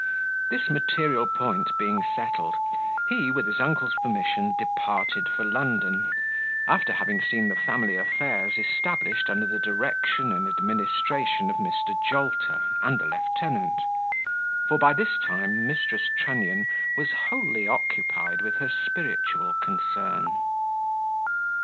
This material point being settled, he, with his uncle's permission, departed for London, after having seen the family affairs established under the direction and administration of Mr. Jolter and the lieutenant; for, by this time, Mrs. Trunnion was wholly occupied with her spiritual concern.